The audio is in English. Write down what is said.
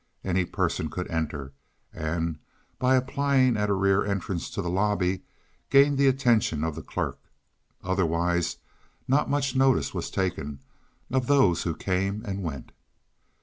Any person could enter, and, by applying at a rear entrance to the lobby, gain the attention of the clerk. Otherwise not much notice was taken of those who came and went.